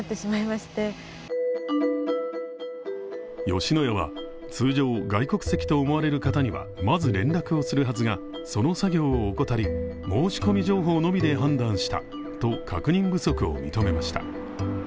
吉野家は通常、外国籍と思われる方にはまず連絡をするはずが、その作業を怠り申し込み情報のみで判断したと確認不足を認めました。